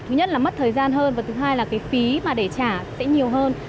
thứ nhất là mất thời gian hơn và thứ hai là phí để trả sẽ nhiều hơn